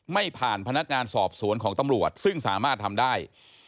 ไม่ผ่านพนักงานสอบสวนของตำรวจซึ่งสามารถทำได้